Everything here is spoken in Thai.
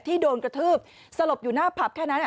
โดนกระทืบสลบอยู่หน้าผับแค่นั้น